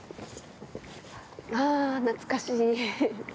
あー、懐かしい。